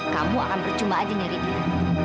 kamu akan percuma aja nyari dia